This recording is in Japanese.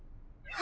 あ